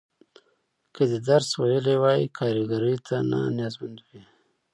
که دې درس ویلی وای، کارګرۍ ته نه نیازمنده وې.